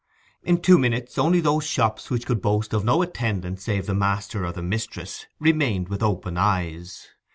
In two minutes only those shops which could boast of no attendant save the master or the mistress remained with open eyes.